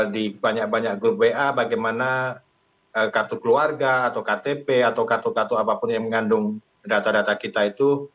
di banyak banyak grup wa bagaimana kartu keluarga atau ktp atau kartu kartu apapun yang mengandung data data kita itu